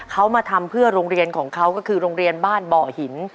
เขามาทำเพื่อโรงเรียนของเขาก็คือโรงเรียนบ้านบ่อหิน